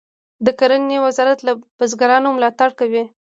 د کرنې وزارت له بزګرانو ملاتړ کوي